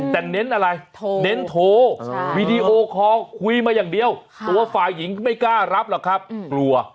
แต่เน้นอะไรเน้นโทรวีดีโอคอลคุยมาอย่างเดียวตัวฝ่ายหญิงก็ไม่กล้ารับหรอกครับกลัว